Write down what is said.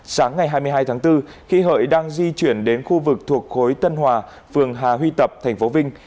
sáng ngày hai mươi hai tháng bốn khi hợi đang di chuyển đến khu vực thuộc khối tân hòa phường hà huy tập tp vinh